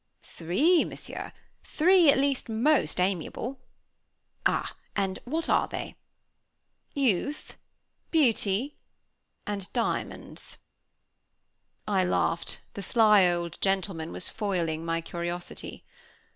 "Three, Monsieur, three, at least most amiable." "Ah! And what are they?" "Youth, beauty, and diamonds." I laughed. The sly old gentleman was foiling my curiosity.